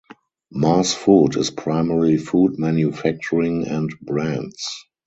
Mars Food is primarily food manufacturing and brands.